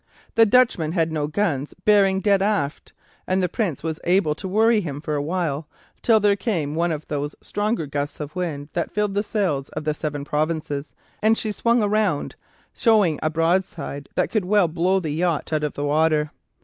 The Dutchman had no guns bearing dead aft, and the Prince was able to worry him for a while, till there came one of those stronger gusts of wind that filled the sails of the "Seven Provinces," and she swung round, showing a broadside that could blow the yacht out of the water.